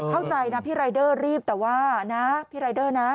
เข้าใจนะพี่รายเดอร์รีบแต่ว่านะ